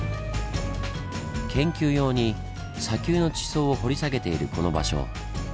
研究用に砂丘の地層を掘り下げているこの場所。